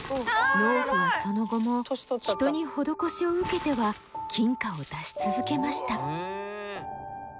農夫はその後も人に施しを受けては金貨を出し続けました。